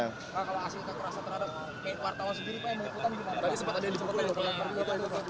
kalau asli terasa terhadap wartawan sendiri pak yang mengikutan gimana